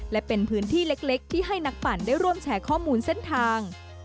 และเป็นพื้นที่เล็กที่ให้นักปั่นได้ร่วมแชร์ข้อมูลเส้นทาง